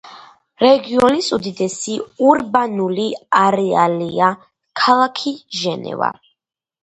რეგიონის უდიდესი ურბანული არეალია ქალაქი ჟენევა.